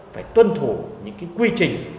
phải tuân thủ những quy trình